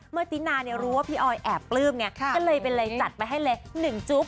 เมื่อติ๊นาเนี่ยรู้ว่าพี่ออยแอบปลื้มเนี่ยก็เลยไปเลยจัดไปให้เลย๑จุ๊บ